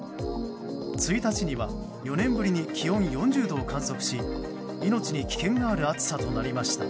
１日には４年ぶりに気温４０度を観測し命に危険がある暑さとなりました。